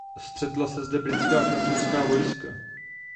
Střetla se zde britská a francouzská vojska.